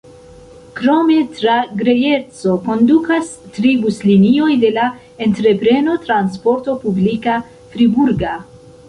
Krome tra Grejerco kondukas tri buslinioj de la entrepreno Transporto Publika Friburga.